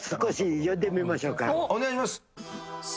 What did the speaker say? お願いします。